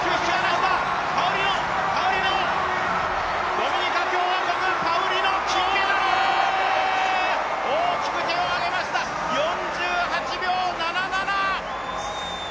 ドミニカ共和国、パウリノ、金メダル！大きく手を上げました、４８秒７７！